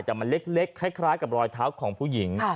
แต่มันเล็กคล้ายกับรอยเท้าของผู้หญิง